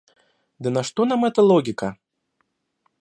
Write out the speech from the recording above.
Да на что нам эта логика?